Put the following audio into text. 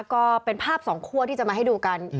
ก็เป็นภาพสองคั่วที่จะมาให้ดูกัน